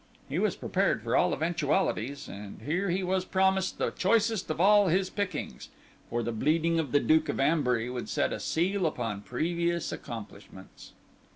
He was prepared for all eventualities, and here he was promised the choicest of all his pickings for the bleeding of the Duke of Ambury would set a seal upon previous accomplishments.